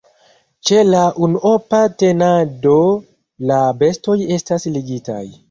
Ĉe la unuopa tenado la bestoj estas ligitaj.